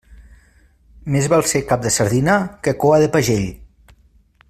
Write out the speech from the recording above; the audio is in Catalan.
Més val ser cap de sardina que coa de pagell.